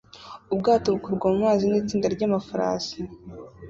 Ubwato bukurwa mu mazi n'itsinda ry'amafarasi